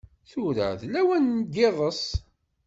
Tura d lawan n yiḍes.